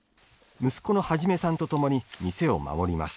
息子の統さんと共に店を守ります。